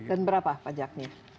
dan berapa pajaknya